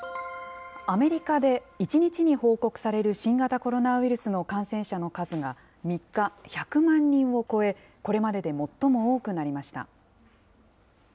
アメリカで１日に報告される新型コロナウイルスの感染者の数が３日、１００万人を超え、これまでで最も多くなりました。